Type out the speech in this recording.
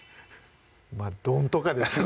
まぁ丼とかですよね